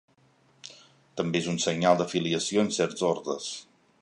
També és un senyal d'afiliació en certs ordes.